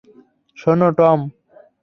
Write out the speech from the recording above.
শোনো, টম!